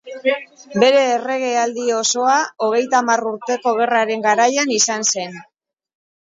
Bere erregealdi osoa Hogeita Hamar Urteko Gerraren garaian izan zen.